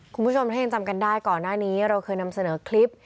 คุณผู้ชมถ้ายังจำกันได้ก่อนหน้านี้เราเคยนำเสนอคลิป